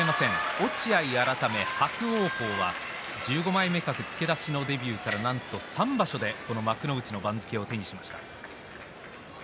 落合改め伯桜鵬は１５枚目格付け出しのデビューからなんと３場所で幕内の番付を手にしました。